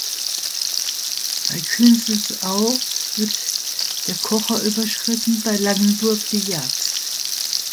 Bei Künzelsau wird der Kocher überschritten, bei Langenburg die Jagst.